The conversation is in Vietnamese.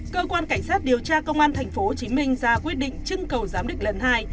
cơ quan cảnh sát điều tra công an tp hcm ra quyết định trưng cầu giám định lần hai